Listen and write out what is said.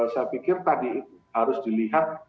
saya pikir tadi harus dilihat